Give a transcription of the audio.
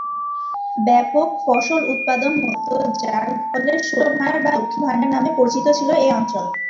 ব্যপক ফসল উৎপাদন হত যার ফলে শস্য ভান্ডার বা লক্ষ্মীর ভান্ডার নামে পরিচিত ছিল এ অঞ্চল।